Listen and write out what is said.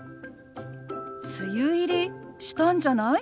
「梅雨入りしたんじゃない？」。